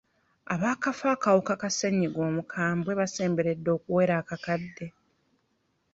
Abaakafa akawuka ka ssennyiga omukwambwe basemberedde okuwera akakadde.